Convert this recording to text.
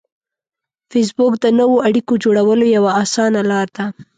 فېسبوک د نوو اړیکو جوړولو یوه اسانه لار ده